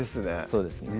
そうですね